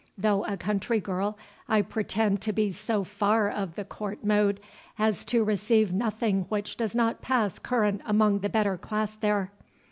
Though a country girl, I pretend to be so far of the court mode, as to receive nothing which does not pass current among the better class there."